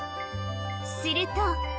すると。